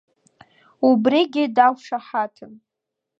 Убригьы дақәшаҳаҭын.